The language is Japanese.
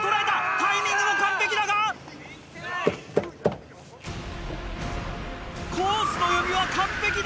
タイミングも完璧だが⁉コースの読みは完璧でした。